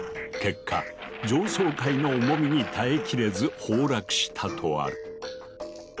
結果上層階の重みに耐えきれず崩落した」とある。